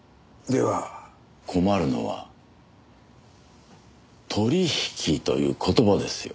困るのは「取引」という言葉ですよ。